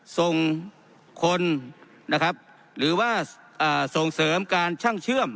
ส่งคนนะครับหรือว่าส่งเสริมการช่างเชื่อม